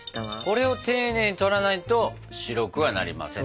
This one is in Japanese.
これを丁寧に取らないと白くはなりませんと。